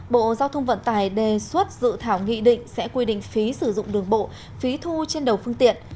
bộ giao thông vận tải đề xuất dự thảo nghị định sẽ quy định phí sử dụng đường bộ phí thu trên đầu phương tiện